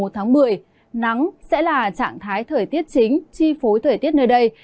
trạng thái thời tiết chính chi phối thời tiết nơi đây